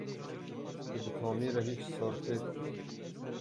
Tu bi Tomî re hîç sorfê dikî?